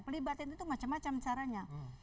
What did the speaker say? pelibatan itu macam macam caranya